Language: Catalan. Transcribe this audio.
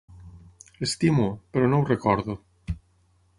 Estimo, però no ho recordo.